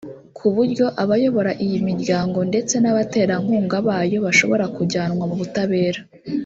ku buryo abayobora iyi miryango ndetse n’abaterankunga bayo bashobora kujyanwa mu butabera